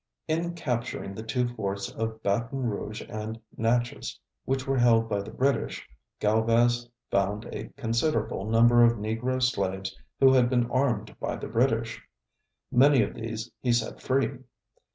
In capturing the two forts of Baton Rouge and Natchez, which were held by the British, Galvez found a considerable number of Negro slaves who had been armed by the British. Many of these he set free.